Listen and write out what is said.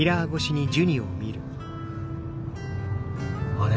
あれ？